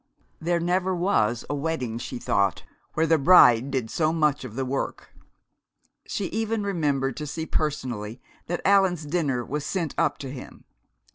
There never was a wedding, she thought, where the bride did so much of the work! She even remembered to see personally that Allan's dinner was sent up to him.